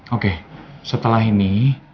oke setelah ini